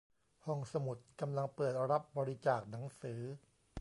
ห้องสมุดกำลังเปิดรับบริจาคหนังสือ